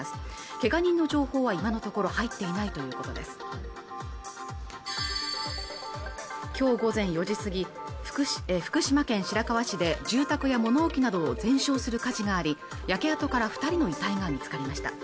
けが人の情報は今のところ入っていないということです今日午前４時過ぎ福島県白河市で住宅や物置などを全焼する火事があり焼け跡から二人の遺体が見つかりました